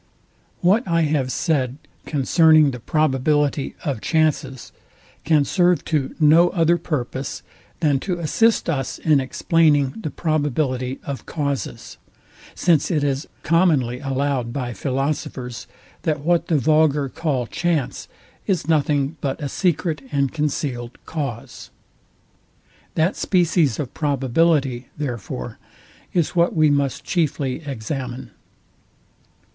What I have said concerning the probability of chances can serve to no other purpose, than to assist us in explaining the probability of causes; since it is commonly allowed by philosophers, that what the vulgar call chance is nothing but a secret and concealed cause. That species of probability, therefore, is what we must chiefly examine.